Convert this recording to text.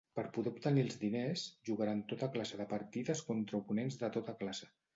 Per poder obtenir els diners jugaran tota classe de partides contra oponents de tota classe.